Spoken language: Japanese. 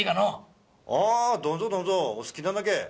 ああどんぞどんぞお好きなだけ。